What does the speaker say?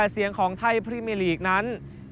เสียงของไทยพรีเมอร์ลีกนั้น